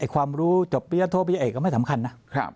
ความรู้จบพิจารณาโทษพิจารณาเอกก็ไม่สำคัญนะ